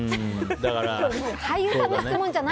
俳優さんの質問じゃない。